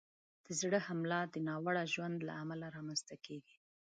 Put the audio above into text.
د زړه حمله د ناوړه ژوند له امله رامنځته کېږي.